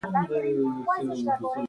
امریکایي متل وایي کیسه ډېر معلومات لري.